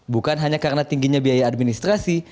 bukan hanya karena tingginya biaya administrasi